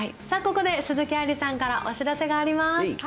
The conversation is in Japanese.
さあ、ここで鈴木愛理さんからお知らせがあります。